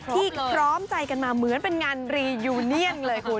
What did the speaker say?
ที่พร้อมใจกันมาเหมือนเป็นงานรียูเนียนเลยคุณ